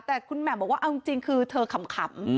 แต่คุณแหม่มบอกว่าเอาจริงคือเธอขำ